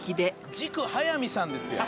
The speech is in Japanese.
軸早見さんですやん。